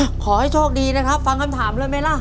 ขอให้โชคดีนะครับฟังคำถามเลยไหมล่ะ